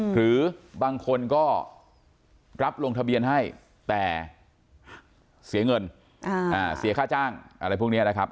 หรือบางคนก็รับลงทะเบียนให้แต่เสียเงินเสียค่าจ้างอะไรพวกนี้นะครับ